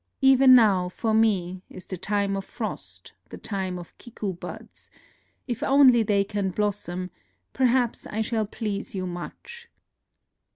... Even now, for me, is the time of frost, the time of kiku buds : if only they can blossom, perhaps I shall please you much.